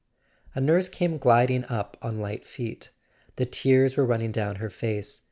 A nurse came gliding up on light feet: the tears were running down her face.